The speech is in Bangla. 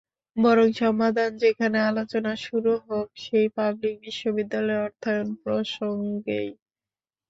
বরং সমাধান যেখানে, আলোচনা শুরু হোক সেই পাবলিক বিশ্ববিদ্যালয়ের অর্থায়ন প্রসঙ্গেই।